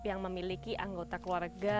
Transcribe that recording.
yang memiliki anggota keluarga